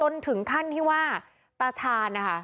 ด้านที่ว่าตาชาญ